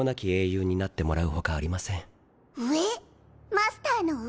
マスターの上？